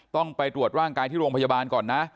ต้องไปตรวจร่างกายที่โรงพยาบาลก่อนนะ